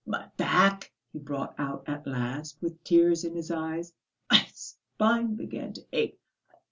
"My back," he brought out at last with tears in his eyes, "my spine began to ache....